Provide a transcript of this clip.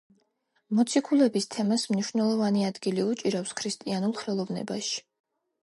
მოციქულების თემას მნიშვნელოვანი ადგილი უჭირავს ქრისტიანულ ხელოვნებაში.